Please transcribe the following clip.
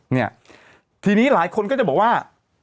เนี่ยทีนี้หลายคนก็จะบอกว่า